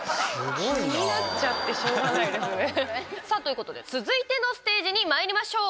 気になっちゃってしょうがないですね。ということで続いてのステージにまいりましょう。